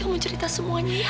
kamu cerita semuanya ya